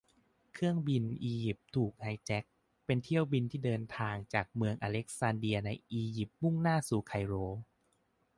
เครื่องบินอียิปต์แอร์ถูกไฮแจ็ค เป็นเที่ยวบินที่เดินทางจากเมืองอเล็กซานเดียในอียิปต์มุ่งหน้าสู่ไคโร